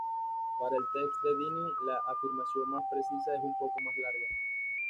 Para el test de Dini, la afirmación más precisa es un poco más larga.